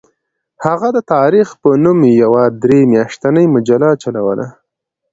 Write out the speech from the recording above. هغه د تاریخ په نوم یوه درې میاشتنۍ مجله چلوله.